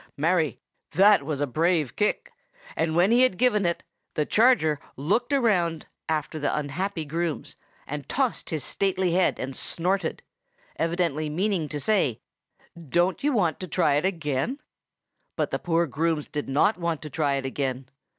Marry, that was a brave kick! and when he had given it, the charger looked round after the unhappy grooms, and tossed his stately head, and snorted, evidently meaning to say, "Don't you want to try it again?" But the grooms did not want to try it again.